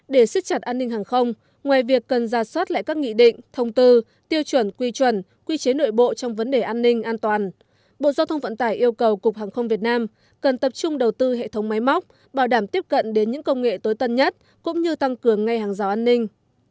để siết chặt an ninh hàng không ngoài việc cần ra soát lại các nghị định thông tư tiêu chuẩn quy chuẩn quy chế nội bộ trong vấn đề an ninh an toàn bộ giao thông vận tải yêu cầu cục hàng không việt nam cần tập trung đầu tư hệ thống máy móc bảo đảm tiếp cận đến những công nghệ tối tân nhất cũng như tăng cường ngay hàng rào an ninh